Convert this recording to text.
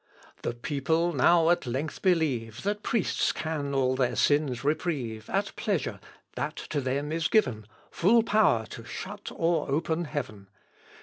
The people now at length believe That priests can all their sins reprieve At pleasure that to them is given Full power to shut or open heaven.